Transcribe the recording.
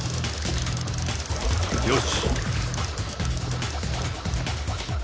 よし。